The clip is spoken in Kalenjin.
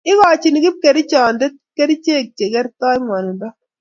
ikochini kipkerichonde kerchek che kertoi ng'wonindo